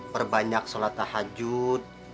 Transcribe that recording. perbanyak sholat tahajud